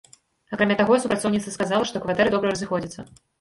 Акрамя таго, супрацоўніца сказала, што кватэры добра разыходзяцца.